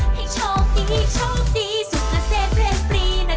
ให้โชคดีโชคดีสุดนเทในเสร็จเพลงปลีน่ะ